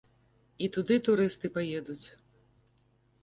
І туды турысты паедуць.